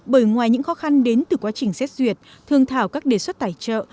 bởi ngoài những khó khăn đến từ quá trình xét duyệt thương thảo các đề xuất tài trợ